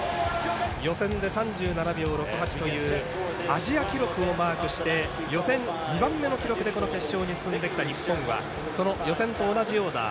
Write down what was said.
予選で３７秒６８というアジア記録をマークして予選２番目の記録でこの決勝に進んできた日本はその予選と同じオーダー。